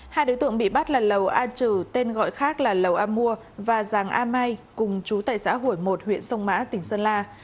hai đối tượng bị bắt là lầu a trừ tên gọi khác là lầu a mua và giàng a mai cùng chú tại xã hủy một huyện sông mã tỉnh sơn la